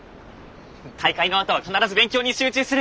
大会のあとは必ず勉強に集中する。